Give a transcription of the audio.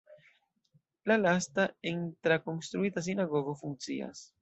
La lasta en trakonstruita sinagogo funkcias.